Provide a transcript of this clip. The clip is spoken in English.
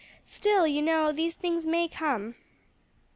Still, you know, these things may come."